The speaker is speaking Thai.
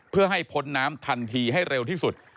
เพื่อให้พ้นน้ำทันทีให้เร็วที่สุด